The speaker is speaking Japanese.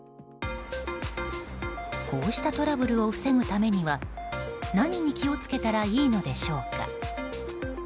こうしたトラブルを防ぐためには何に気をつけたらいいのでしょうか。